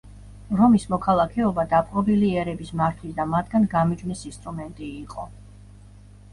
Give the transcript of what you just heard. რომის მოქალაქეობა დაპყრობილი ერების მართვის და მათგან გამიჯვნის ინსტრუმენტი იყო.